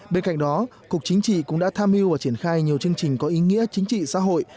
bên cạnh đó cục chính trị cũng đã tham mưu và triển khai nhiều chương trình có ý nghĩa chính trị xã hội